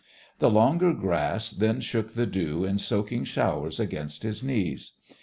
The longer grass then shook the dew in soaking showers against his knees.